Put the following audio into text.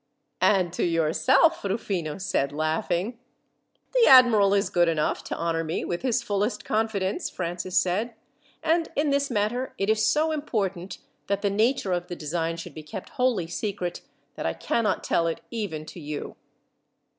"And to yourself," Rufino said laughing. "The admiral is good enough to honour me with his fullest confidence," Francis said; "and in this matter, it is so important that the nature of the design should be kept wholly secret, that I cannot tell it even to you!"